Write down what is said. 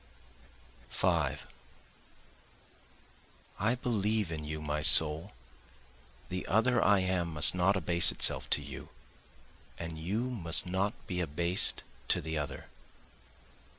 5 I believe in you my soul, the other I am must not abase itself to you, And you must not be abased to the other.